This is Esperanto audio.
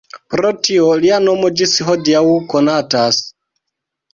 Pro tio lia nomo ĝis hodiaŭ konatas.